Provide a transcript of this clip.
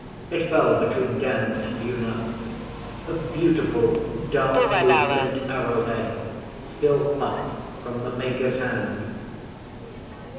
It fell between Dan and Una a beautiful dark blue flint arrow head still hot from the maker's hand.